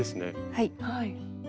はい。